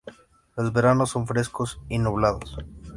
Los veranos son frescos y nublados.